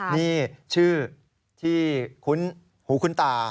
นี่ชื่อที่คุ้นหูคุ้นตา